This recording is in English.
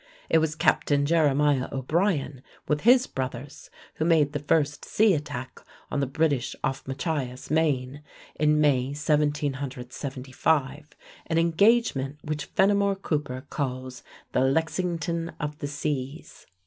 It was Captain Jeremiah O'Brien, with his brothers, who made the first sea attack on the British off Machias, Maine, in May, 1775, an engagement which Fenimore Cooper calls "the Lexington of the Seas."